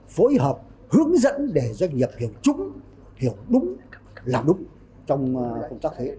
phối hợp hướng dẫn để doanh nghiệp hiểu chúng hiểu đúng làm đúng trong công tác thuế